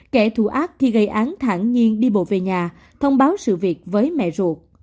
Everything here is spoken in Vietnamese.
kẻ thù ác khi gây án thản nhiên đi bộ về nhà thông báo sự việc với mẹ ruột